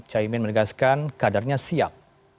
caimin menegaskan kadarnya siap